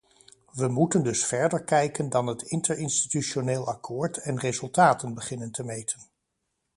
We moeten dus verder kijken dan het interinstitutioneel akkoord en resultaten beginnen te meten.